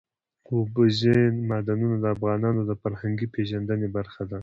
اوبزین معدنونه د افغانانو د فرهنګي پیژندنې برخه ده.